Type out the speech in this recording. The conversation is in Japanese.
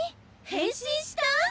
変身した！？